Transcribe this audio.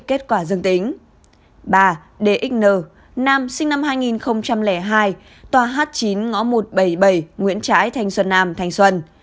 kết quả dương tính ba dxn nam sinh năm hai nghìn hai tòa h chín ngõ một trăm bảy mươi bảy nguyễn trãi thành xuân nam thành xuân